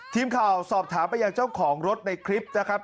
ทีมข่าวสอบถามไปยังเจ้าของรถในคลิปนะครับ